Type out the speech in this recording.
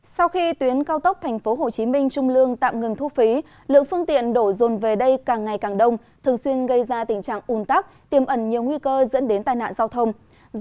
sau khi tuyến cao tốc tp hcm trung lương tạm ngừng thu phí lượng phương tiện đổ dồn về đây càng ngày càng đông thường xuyên gây ra tình trạng un tắc tiêm ẩn nhiều nguy cơ dẫn đến tai nạn giao thông